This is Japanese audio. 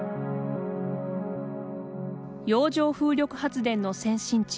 洋上風力発電の先進地